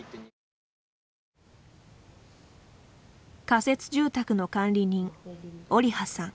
仮設住宅の管理人、オリハさん。